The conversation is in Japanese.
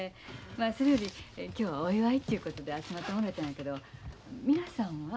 それより今日はお祝いちゅうことで集まってもろたんやけど皆さんは？